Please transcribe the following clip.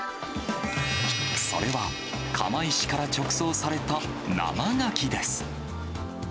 それは、釜石から直送された生ガキです。